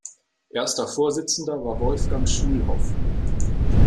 Erster Vorsitzender war Wolfgang Schulhoff.